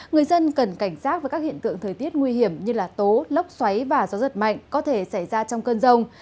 người dân cần cảnh giác với các hiện tượng thời tiết nguy hiểm như tố lốc xoáy và gió giật mạnh có thể xảy ra trong cơn rông